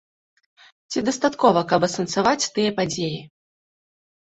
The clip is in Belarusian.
Ці дастаткова, каб асэнсаваць тыя падзеі?